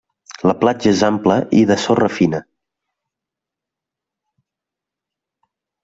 La platja és ampla i de sorra fina.